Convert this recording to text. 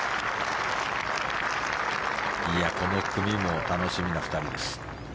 この組も楽しみな２人です。